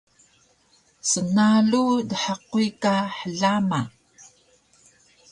snalu dhquy ka hlama